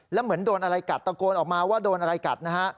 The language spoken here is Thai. แล้วเหมือนโดนอะไรกัดตะโกนออกมาว่าโดนอะไรกัดนะฮะ